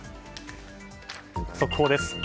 速報です。